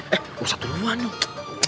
eh ustadz duluan yuk